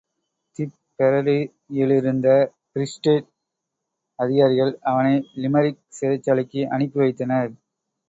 திப்பெரரியிலிருந்த Free State அதிகாரிகள் அவனை limerick சிறைச்சாலைக்கு அனுப்பிவைத்தனர்.